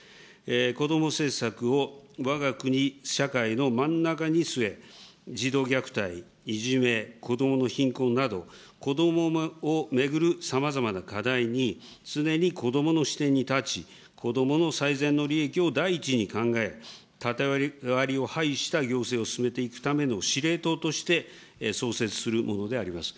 こども政策をわが国社会の真ん中に据え、児童虐待、いじめ、こどもの貧困など、こどもを巡るさまざまな課題に、常にこどもの視点に立ち、こどもの最善の利益を第一に考え、縦割りを廃した行政を進めていくための司令塔として、創設するものであります。